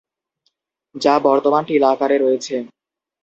যা বর্তমান টিলা আকারে রয়েছে।